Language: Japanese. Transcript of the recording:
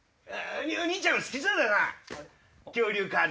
お兄ちゃんも好きそうだな恐竜カード。